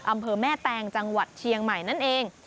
อำเภอแม่แตงจังหวัดเชียงใหม่นั่นเอง